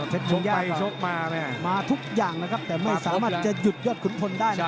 ชกไปชกมามาทุกอย่างนะครับแต่ไม่สามารถจะหยุดยอดขุนพลได้นะครับ